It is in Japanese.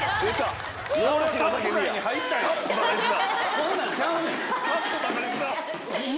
こんなんちゃうねん！